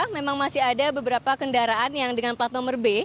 memang masih ada beberapa kendaraan yang dengan plat nomor b